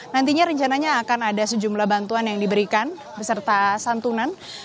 nantinya rencananya akan ada sejumlah bantuan yang diberikan beserta santunan